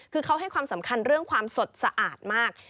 คือเขาให้ความสำคัญเรื่องความสดสะอาดมาก